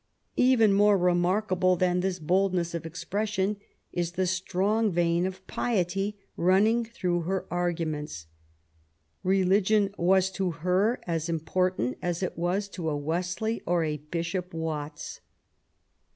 Even more remarkable than this boldness of expres sion is the strong vein of piety running through her arguments. Religion was to her as important as it was to a Wesley or a Bishop Watts.